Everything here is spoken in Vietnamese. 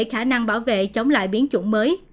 khả năng bảo vệ chống lại biến chủng mới